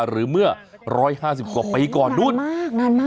หรือเมื่อร้อยห้าสิบกว่าปีก่อนนู้นโอ้โหนานมากนานมาก